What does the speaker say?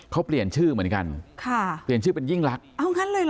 เขาเปลี่ยนชื่อเหมือนกันค่ะเปลี่ยนชื่อเป็นยิ่งรักเอางั้นเลยเหรอ